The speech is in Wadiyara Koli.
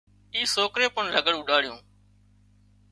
اي سوڪري پڻ لگھڙ اوڏاڙيون